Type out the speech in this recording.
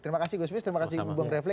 terima kasih gusmis terima kasih bang raffi